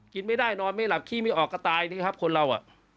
กินไม่ได้นอนไม่หลับขี้ไม่ออกก็ตายนี่ครับคนเรา